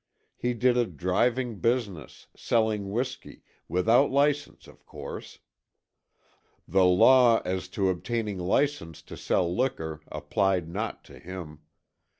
He did a driving business, selling whiskey, without license, of course. The law as to obtaining license to sell liquor applied not to him.